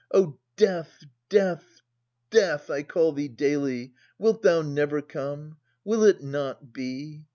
O Death, Death, Death ! 1 call thee daily — wilt thou never come ? Will it not be?